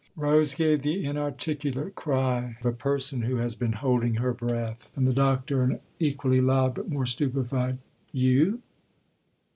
Rose gave the inarticulate cry of a person who has been holding her breath, and the Doctor an equally loud, but more stupefied "You?"